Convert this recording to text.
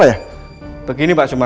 aku masih tinggal di rumah